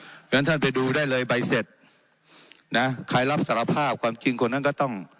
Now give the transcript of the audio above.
เพราะฉะนั้นท่านไปดูได้เลยใบเสร็จนะใครรับสารภาพความจริงคนนั้นก็ต้อง